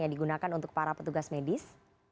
yang digunakan untuk para petugas medis